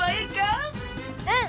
うん！